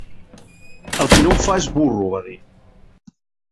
El qui no ho fa és burro, va dir.